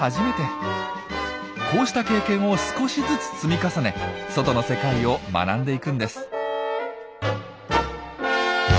こうした経験を少しずつ積み重ね外の世界を学んでいくんです。